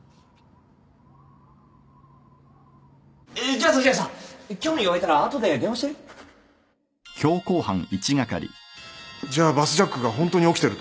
じゃあさじゃあさ興味が湧いたら後で電話してじゃあバスジャックが本当に起きてるということか。